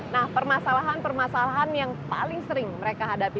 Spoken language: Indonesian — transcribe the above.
nah permasalahan permasalahan yang paling sering mereka hadapi